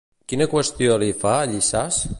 Quina qüestió li fa Llissàs?